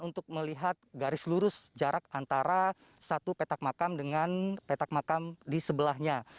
untuk melihat garis lurus jarak antara satu petak makam dengan petak makam di sebelahnya